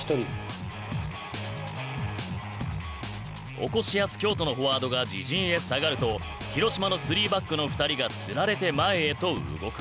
おこしやす京都のフォワードが自陣へ下がると広島の３バックの２人が釣られて前へと動く。